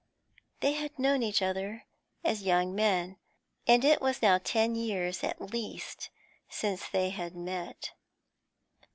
They had known each other as young men, and it was now ten years at least since they had met.